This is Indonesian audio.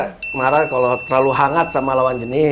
kalo cintia marah kalo terlalu hangat sama lawan jenis